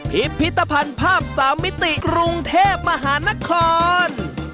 พิพิธภัณฑ์ภาพ๓มิติกรุงเทพมหานคร